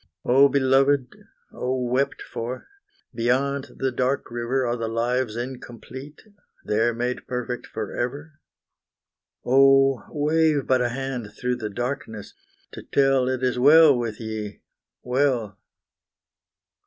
Oh, beloved oh, wept for! beyond the dark river Are the lives incomplete, there made perfect forever? Oh, wave but a hand through the darkness, to tell It is well with ye well.